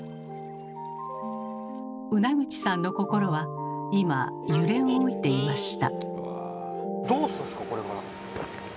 ウナグチさんの心は今揺れ動いていました。